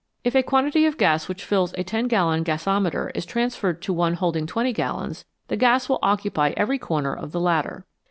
If a quantity of gas which fills a ten gallon gasometer is 46 INVISIBLE SUBSTANCES transferred to one holding twenty gallons, the gas will occupy every comer of the latter.